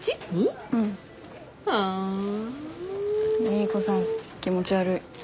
莉子さん気持ち悪い。